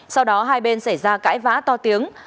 sau đó hai bên xảy ra cãi vã to tiếng